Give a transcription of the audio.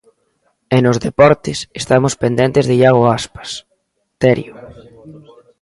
E nos deportes, estamos pendentes de Iago Aspas, Terio.